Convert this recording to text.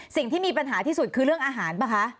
สิ่งที่มีปัญหาที่สุดคือเรื่องอาหารป่ะคะ